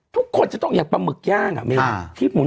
ทุกคนจะต้องอย่างปลาหมึกย่างอ่ะเมล